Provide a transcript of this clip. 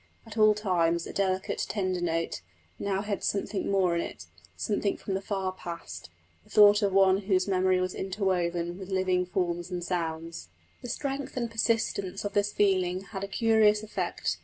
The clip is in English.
At all times a delicate, tender note, now it had something more in it something from the far past the thought of one whose memory was interwoven with living forms and sounds. The strength and persistence of this feeling had a curious effect.